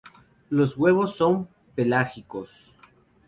Los huevos son pelágicos.